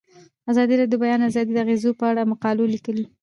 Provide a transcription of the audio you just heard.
ازادي راډیو د د بیان آزادي د اغیزو په اړه مقالو لیکلي.